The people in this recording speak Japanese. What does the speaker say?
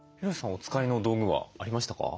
お使いの道具はありましたか？